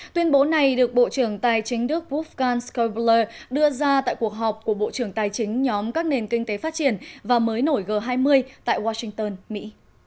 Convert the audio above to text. tuyên bố này được bộ trưởng tài chính đức bofcale sky bler đưa ra tại cuộc họp của bộ trưởng tài chính nhóm các nền kinh tế phát triển và mới nổi g hai mươi tại washington mỹ